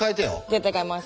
絶対変えます。